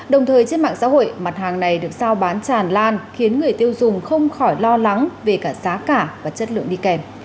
đồng thời trên mạng xã hội mặt hàng này được sao bán tràn lan khiến người tiêu dùng không khỏi lo lắng về cả giá cả và chất lượng đi kèm